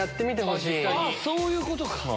そういうことか！